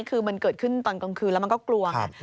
คือมันเกิดขึ้นตอนกลางคืนแล้วมันก็กลัวไง